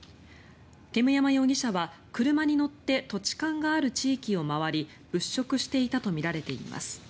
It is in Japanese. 煙山容疑者は車に乗って土地勘がある地域を回り物色していたとみられています。